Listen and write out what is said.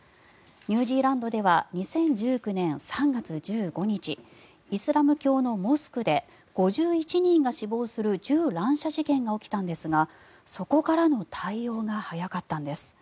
ニュージーランドでは２０１９年３月１５日イスラム教のモスクで５１人が死亡する銃乱射事件があったんですがそこからの対応が早かったんです。